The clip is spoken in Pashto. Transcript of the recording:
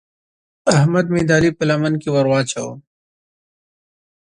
احمد مې د علي په لمن کې ور واچاوو.